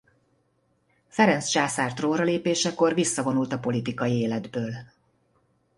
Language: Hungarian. Ferenc császár trónra lépésekor visszavonult a politikai életből.